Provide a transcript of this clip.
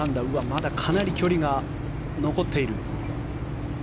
まだかなり距離が残っている。